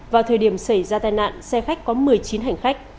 vào thời điểm xảy ra tai nạn xe khách có một mươi chín hành khách